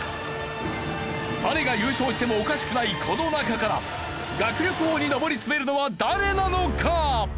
誰が優勝してもおかしくないこの中から学力王に上り詰めるのは誰なのか！？